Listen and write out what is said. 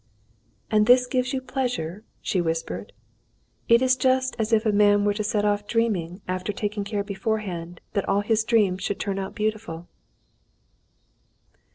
"And this gives you pleasure?" she whispered. "It is just as if a man were to set off dreaming after taking care beforehand that all his dreams should turn out beautiful."